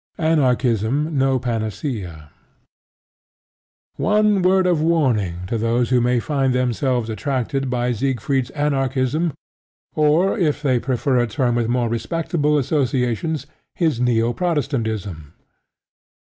ANARCHISM NO PANACEA One word of warning to those who may find themselves attracted by Siegfried's Anarchism, or, if they prefer a term with more respectable associations, his neo Protestantism.